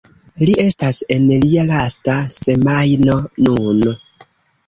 Li estas en lia lasta semajno nun.